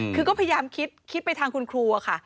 คือก็พยายามคิดไปทางคุณครูค่ะ